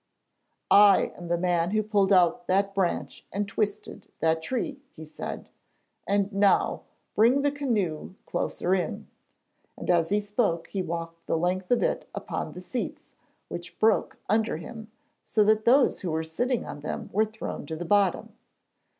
'I am the man who pulled out that branch and twisted that tree,' he said, 'and now, bring the canoe closer in!' As he spoke he walked the length of it upon the seats, which broke under him, so that those who were sitting on them were thrown to the bottom.